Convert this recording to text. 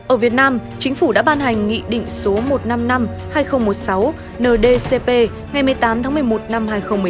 ở việt nam chính phủ đã ban hành nghị định số một trăm năm mươi năm hai nghìn một mươi sáu ndcp ngày một mươi tám tháng một mươi một năm hai nghìn một mươi tám